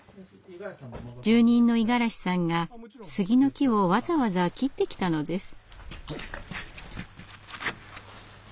住人の五十嵐さんが杉の木をわざわざ切ってきたのです。